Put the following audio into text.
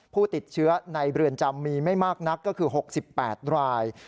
ผู้ติดเชื้อในเรือนจำมีไม่มากนักก็คือ๖๘ราย